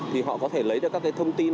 thì họ có thể lấy được các thông tin